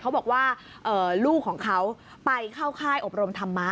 เขาบอกว่าลูกของเขาไปเข้าค่ายอบรมธรรมะ